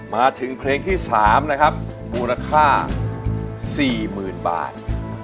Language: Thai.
มาถึงเพลงที่๓นะครับมูลค่า๔๐๐๐บาท